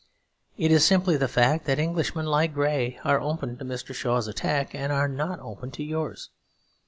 It is simply the fact that Englishmen like Grey are open to Mr. Shaw's attack and are not open to yours.